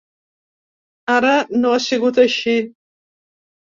Ara no ha sigut així.